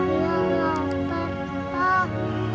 iya laper pak